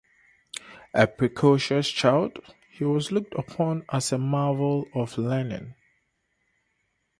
A precocious child, he was looked upon as a marvel of learning.